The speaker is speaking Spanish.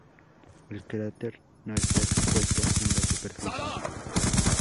El cráter no está expuesto en la superficie.